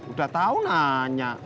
udah tau nanya